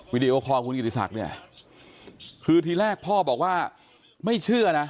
ดีโอคอลคุณกิติศักดิ์เนี่ยคือทีแรกพ่อบอกว่าไม่เชื่อนะ